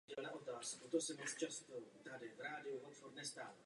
Izrael ovládal jen západní část Nového Města.